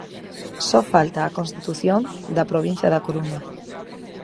Só falta a constitución da da provincia da Coruña.